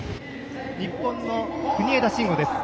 日本の国枝慎吾です。